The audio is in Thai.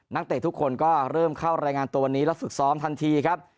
เตะทุกคนก็เริ่มเข้ารายงานตัววันนี้แล้วฝึกซ้อมทันทีครับ